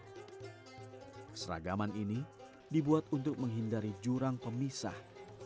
keseragaman ini dibuat untuk menghindari jurang pemisah